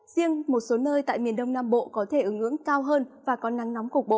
riêng một số nơi tại miền đông nam bộ có thể ứng cao hơn và có nắng nóng cục bộ